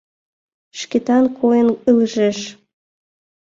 — Шкетан койын ылыжеш.